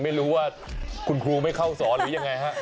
จะไปรู้ว่าคุณครูไม่เข้าสอนหรือยังไงครับ